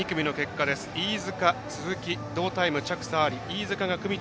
飯塚、鈴木、同タイム着差あり。